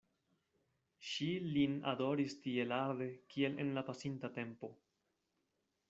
Ŝi lin adoris tiel arde kiel en la pasinta tempo.